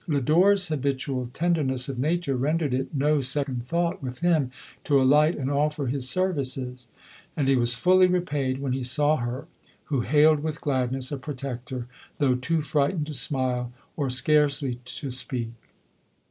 Lodore's habitual tenderness of nature rendered it no second thought with him to alight and offer his services ; and he was fully repaid when he saw her, who hailed with gladness a protector, though too frightened to smile, or scarcely to LODORE, 101 speak.